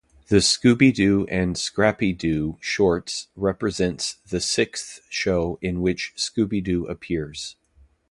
The "Scooby-Doo and Scrappy-Doo" shorts represents the sixth show in which Scooby-Doo appears.